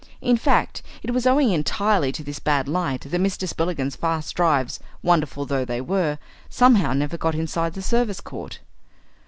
In fact, it was owing entirely to this bad light that Mr. Spillikins's fast drives, wonderful though they were, somehow never got inside the service court.